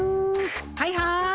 はいはい。